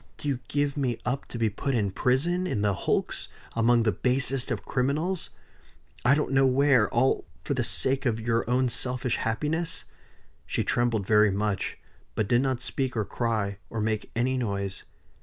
Do you give me up to be put in prison in the hulks among the basest of criminals I don't know where all for the sake of your own selfish happiness?" She trembled very much; but did not speak or cry, or make any noise.